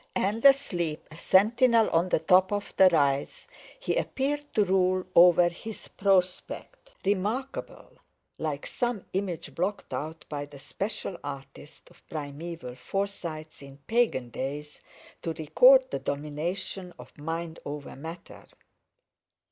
And asleep, a sentinel on the—top of the rise, he appeared to rule over this prospect—remarkable—like some image blocked out by the special artist, of primeval Forsytes in pagan days, to record the domination of mind over matter!